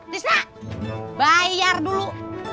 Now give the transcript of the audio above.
tis bayar dulu